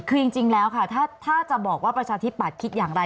คือจริงแล้วค่ะถ้าจะบอกว่าประชาธิปัตย์คิดอย่างไร